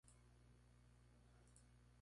Lonely" junto al cantante Frank Ocean.